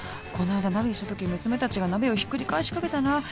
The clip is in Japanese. この間鍋したとき娘たちが鍋をひっくり返しかけたな。